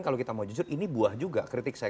kalau kita mau jujur ini buah juga kritik saya